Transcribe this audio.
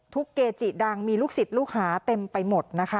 เกจิดังมีลูกศิษย์ลูกหาเต็มไปหมดนะคะ